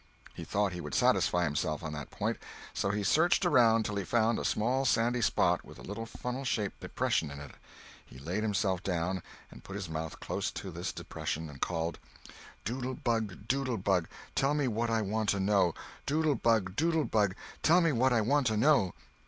He thought he would satisfy himself on that point; so he searched around till he found a small sandy spot with a little funnel shaped depression in it. He laid himself down and put his mouth close to this depression and called— "Doodle bug, doodle bug, tell me what I want to know! Doodle bug, doodle bug, tell me what I want to know!"